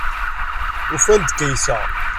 Ufan-d Kaysa.